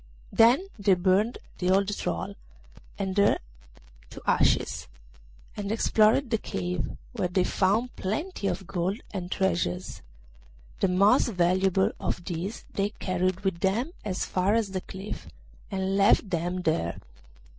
Then they burned the old troll and her to ashes, and explored the cave, where they found plenty of gold and treasures. The most valuable of these they carried with them as far as the cliff, and left them there.